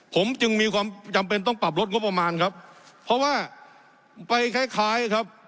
ผมจึงมีความจำเป็นต้องปรับลดงบประมาณครับเพราะว่าไปคล้ายคล้ายครับ